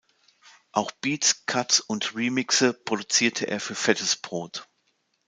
Auch Beats, Cuts und Remixe produzierte er für Fettes Brot.